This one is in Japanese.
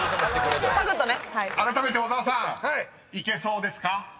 ［あらためて小沢さんいけそうですか？］